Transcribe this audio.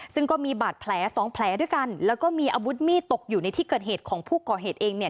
ซึ่งก็มีบาดแผลสองแผลด้วยกันแล้วก็มีอาวุธมีดตกอยู่ในที่เกิดเหตุของผู้ก่อเหตุเองเนี่ย